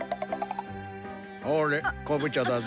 ほれこぶ茶だぞ。